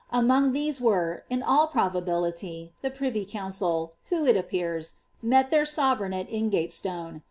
Among ihese were, in all probability, the privy council. w:;o, it appears, met their sovereign at Ingatestone.